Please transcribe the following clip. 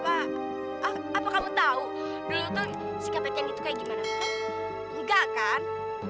apa apa kamu tahu dulu tuh sikapnya gendy tuh kayak gimana enggak kan